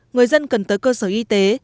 người dân cần tới cơ sở y tế